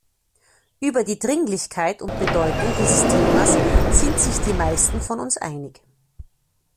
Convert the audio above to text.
Über die Dringlichkeit und Bedeutung dieses Themas sind sich die meisten von uns einig.